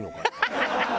ハハハハ！